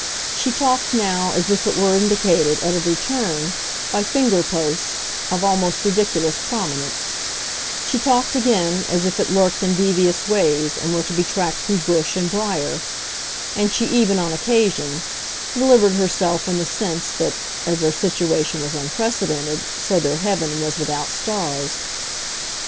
She talked now as if it were indicated, at every turn, by finger posts of almost ridiculous prominence; she talked again as if it lurked in devious ways and were to be tracked through bush and briar; and she even, on occasion, delivered herself in the sense that, as their situation was unprecedented, so their heaven was without stars.